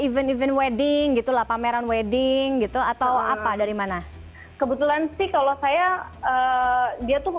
event event wedding gitu lah pameran wedding gitu atau apa dari mana kebetulan sih kalau saya dia tuh